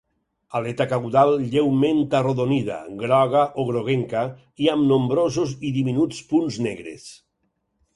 Aleta caudal lleument arrodonida, groga o groguenca i amb nombrosos i diminuts punts negres.